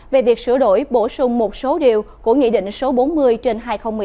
về việc sửa đổi bổ sung một số điều của nghị định số bốn mươi trên hai nghìn một mươi ba